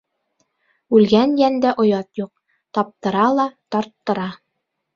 Үлгән йәндә оят юҡ, таптыра ла, тарттыра.